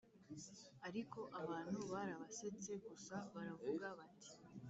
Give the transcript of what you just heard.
ariko abantu barabasetse gusa, baravuga bati: